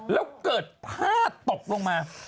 แล้วเกิดพาดตกลงมา